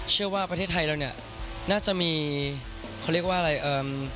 เชื่อว่าประเทศไทยแล้วเนี่ยน่าจะมีคือเรียกว่าอะไร